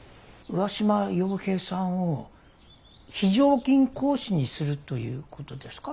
上嶋陽平さんを非常勤講師にするということですか？